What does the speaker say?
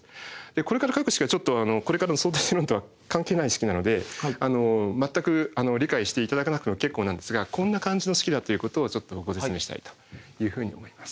これから書く式はちょっとこれからの相対性理論とは関係ない式なので全く理解して頂かなくても結構なんですがこんな感じの式だということをちょっとご説明したいというふうに思います。